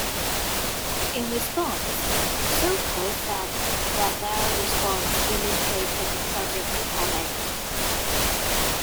In response, Sokal said that their response illustrated the problem he highlighted.